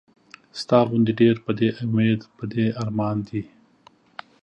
ستا غوندې ډېر پۀ دې اميد پۀ دې ارمان دي